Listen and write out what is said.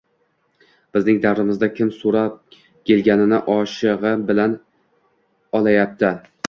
Bizning davrimizda kim soʻrab kelganini oshigʻi bilan olayapti?